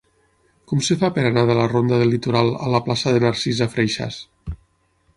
Com es fa per anar de la ronda del Litoral a la plaça de Narcisa Freixas?